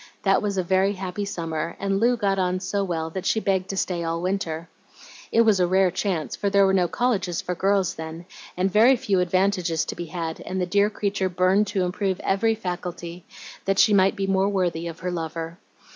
That was a very happy summer, and Lu got on so well that she begged to stay all winter. It was a rare chance, for there were no colleges for girls then, and very few advantages to be had, and the dear creature burned to improve every faculty, that she might be more worthy of her lover.